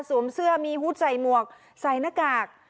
สวมเสื้อมีหุ้ดใจมวกใส่หน้ากาก